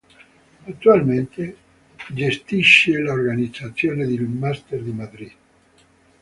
Attualmente gestisce l'organizzazione del Master di Madrid.